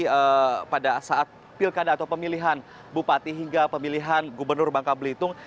di pada saat pilkada atau pemilihan bupati hingga pemilihan gubernur bangka belitung